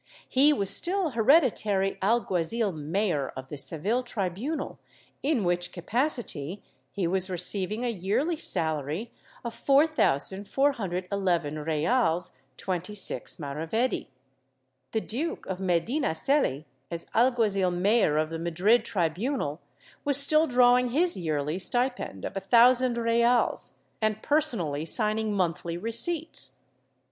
He was still hereditary alguazil mayor of the Seville tribunal, in which capacity he was receiving a yearly salary of 4411 reales 26 mrs. The Duke of Medinaceli, as alguazil mayor of the Madrid tribunal, was still drawing his yearly stipend of a thousand reales and personally signing monthly receipts.